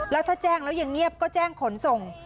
แล้วถ้าแจ้งแล้วยังเงียบก็แจ้งขนส่ง